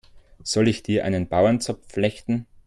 Soll ich dir einen Bauernzopf flechten?